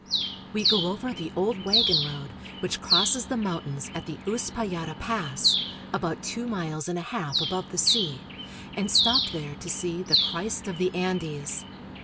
We go over the old wagon road which crosses the mountains at the Uspallata Pass, about two miles and a Wagon Road up the Andes. half above the sea, and stop there to see "The Christ of the Andes."